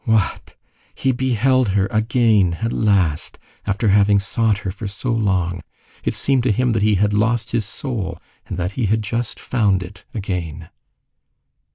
What! He beheld her again at last, after having sought her so long! It seemed to him that he had lost his soul, and that he had just found it again.